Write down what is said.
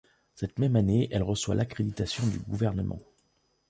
Cette même année, elle reçoit l'accréditation du gouvernement.